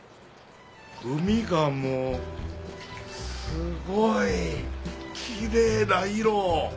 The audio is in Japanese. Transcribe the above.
海がもうすごいキレイな色。